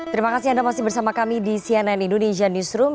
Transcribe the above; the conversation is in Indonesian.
terima kasih anda masih bersama kami di cnn indonesia newsroom